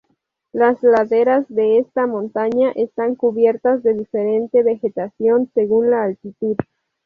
Las laderas de esta montaña están cubiertas de diferente vegetación, según la altitud.